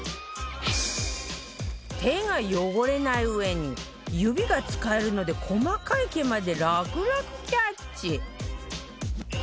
手が汚れない上に指が使えるので細かい毛まで楽々キャッチ